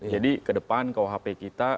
jadi ke depan kuhp kita